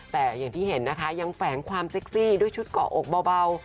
แต่อย่างที่เห็นนะคะยังแฝงความเซ็กซี่ด้วยชุดเกาะอกเบา